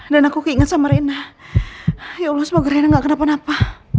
dan aku ingat sama rina ya allah semoga nggak kenapa napa